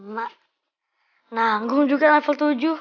mak nanggung juga level tujuh